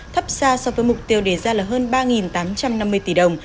thấp xa so với mục tiêu đề ra là hơn ba tám trăm năm mươi tỷ đồng